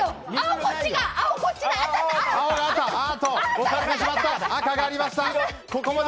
置かれてしまった！